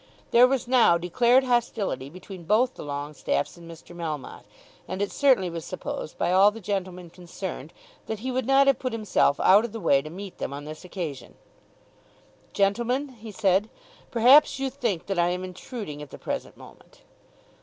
There was now declared hostility between both the Longestaffes and Mr. Melmotte, and it certainly was supposed by all the gentlemen concerned that he would not have put himself out of the way to meet them on this occasion. "Gentlemen," he said, "perhaps you think that I am intruding at the present moment."